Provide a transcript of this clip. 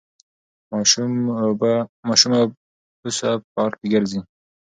ماشومه اوس په پارک کې ګرځي.